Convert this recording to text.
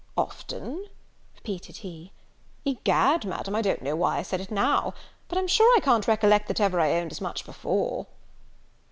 "Often!" repeated he; "Egad, Madam, I don't know why I said it now; but I'm sure I can't recollect that ever I owned as much before."